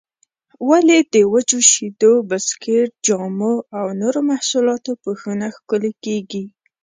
ولې د وچو شیدو، بسکېټ، جامو او نورو محصولاتو پوښونه ښکلي کېږي؟